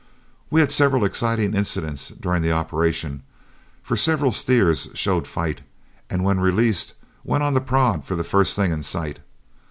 We had several exciting incidents during the operation, for several steers showed fight, and when released went on the prod for the first thing in sight.